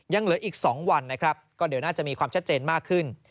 ยังเหลืออีก๒วันนะครับก็เดี๋ยวน่าจะมีความชัดเจนมากขึ้น